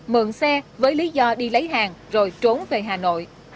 mượn xe với lý do đi lấy hàng rồi trốn về hà nội